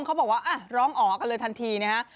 เขาบอกว่าร้องอ๋อกันเลยทันทีนะฮะ